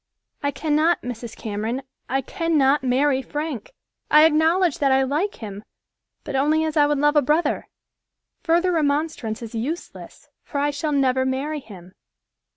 "I cannot, Mrs. Cameron, I cannot marry Frank. I acknowledge that I like him, but only as I would love a brother. Further remonstrance is useless, for I shall never marry him."